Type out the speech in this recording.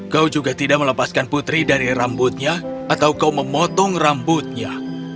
kau juga tidak melepaskan putri dari rambutnya atau kau memotong rambutnya